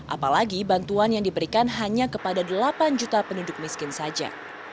apalagi bantuan yang diberikan hanya kepada delapan juta penduduk miskin saja